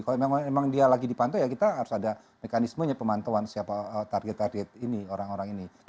kalau memang dia lagi dipantau ya kita harus ada mekanismenya pemantauan siapa target target ini orang orang ini